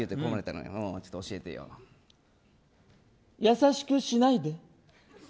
優しくしないで。